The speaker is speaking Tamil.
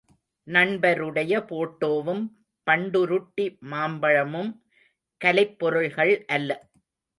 நண்பருடைய போட்டோவும், பண்ருட்டி மாம்பழமும் கலைப் பொருள்கள் அல்ல.